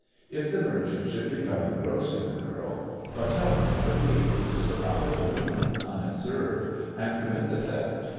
If the merchant should become engrossed in the girl Barthélemy would be able to slip out of the room unobserved and commit the theft.